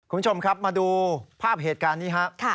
คุณผู้ชมครับมาดูภาพเหตุการณ์นี้ครับ